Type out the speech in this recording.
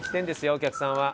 お客さんは。